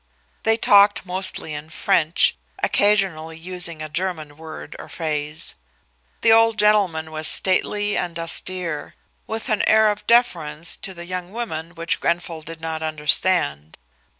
They talked mostly in French occasionally using a German word or phrase. The old gentleman was stately and austere with an air of deference to the young woman which Grenfall did not understand.